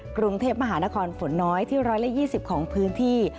กรุงเทพมหานครฝนน้อยที่๑๒๐ของพื้นที่